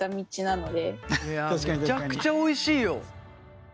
いやめちゃくちゃおいしいよ。